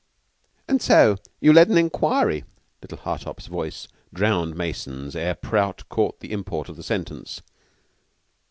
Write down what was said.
"And so you held an inquiry?" Little Hartopp's voice drowned Mason's ere Prout caught the import of the sentence.